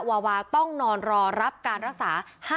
วาวาต้องนอนรอรับการรักษา